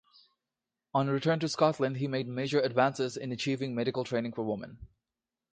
On return to Scotland he made major advances in achieving medical training for women.